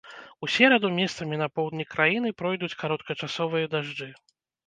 У сераду месцамі на поўдні краіны пройдуць кароткачасовыя дажджы.